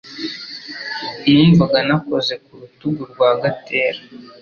Numvaga nakoze ku rutugu rwa Gatera.